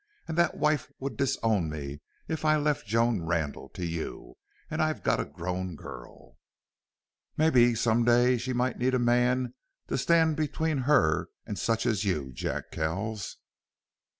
"An' that wife would disown me if I left Joan Randle to you. An' I've got a grown girl. Mebbe some day she might need a man to stand between her an' such as you, Jack Kells!"